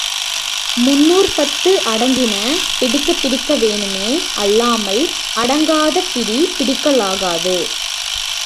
முன்னூற்று பத்து அடங்கின பிடிபிடிக்க வேணுமே அல்லாமல் அடங்காத பிடி பிடிக்கலாகாது.